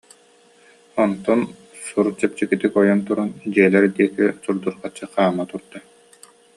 Онтон сүр чэпчэкитик ойон туран, дьиэлэр диэки сурдурҕаччы хаама турда